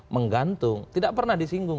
menggantung tidak pernah disinggung